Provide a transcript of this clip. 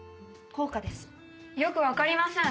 よくわかりません。